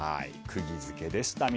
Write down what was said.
クギづけでした。